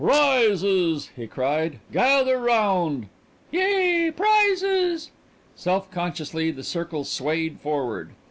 "Prizes!" he cried. "Gather round!" "Yea! Prizes!" Self consciously the circle swayed forward.